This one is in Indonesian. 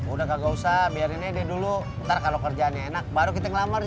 udah kagak usah biarin aja dulu ntar kalau kerjaannya enak baru kita ngelambar di